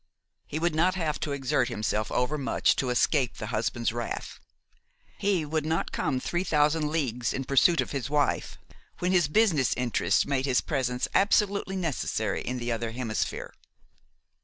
He would not have to exert himself overmuch to escape the husband's wrath; he would not come three thousand leagues in pursuit of his wife when his business interests made his presence absolutely necessary in the other hemisphere.